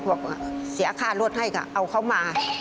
บอกว่าเสียค่ารถให้ก็เอาเขามา